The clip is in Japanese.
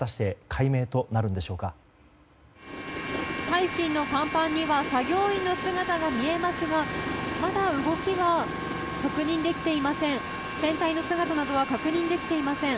「海進」の甲板には作業員の姿が見えますがまだ動きは確認できていません。